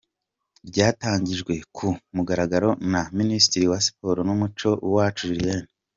Ryatangijwe ku mugaragaro na Minisitiri wa Siporo n’Umuco, Uwacu Julienne.